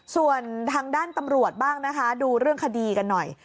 ส่วนทางด้านตำรวจบ้างนะคะดูเรื่องคดีกันหน่อย